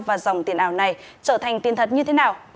và dòng tiền ảo này trở thành tiền thật như thế nào